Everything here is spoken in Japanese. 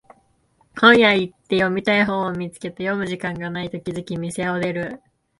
本屋行って読みたい本を見つけて読む時間がないと気づき店を出る